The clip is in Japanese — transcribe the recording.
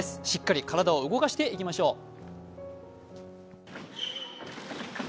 しっかり体を動かしていきましょう。